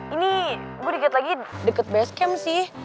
ini gue deket lagi deket basecamp sih